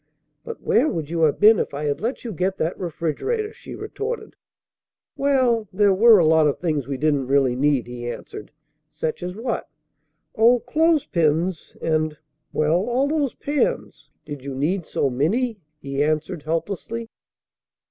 "But where would you have been if I had let you get that refrigerator?" she retorted. "Well, there were a lot of things we didn't really need," he answered. "Such as what?" "Oh, clothes pins and well, all those pans. Did you need so many?" he answered helplessly.